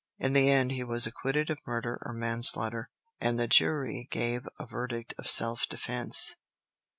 In the end he was acquitted of murder or manslaughter, and the jury gave a verdict of self defence.